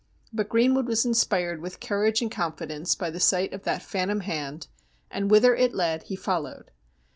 But Greenwood was inspired with courage and confidence by the sight of that phantom hand, and whither it led he followed.